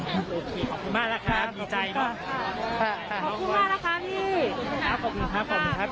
โอเคขอบคุณมากแล้วค่ะขอบคุณค่ะขอบคุณมากแล้วค่ะพี่ขอบคุณค่ะขอบคุณค่ะ